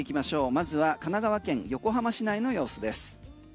まずは神奈川県横浜市内の様子です。